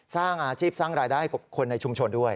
สร้างอาชีพสร้างรายได้ให้กับคนในชุมชนด้วย